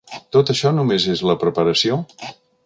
Tot això només és la preparació?